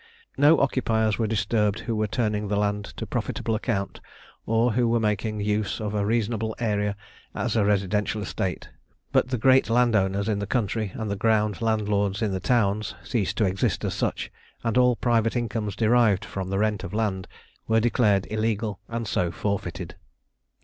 No occupiers were disturbed who were turning the land to profitable account, or who were making use of a reasonable area as a residential estate; but the great landowners in the country and the ground landlords in the towns ceased to exist as such, and all private incomes derived from the rent of land were declared illegal and so forfeited.